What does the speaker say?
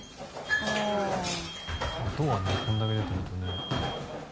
音がねこんだけ出てるとね。